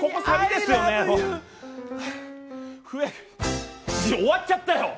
笛社長、終わっちゃったよ。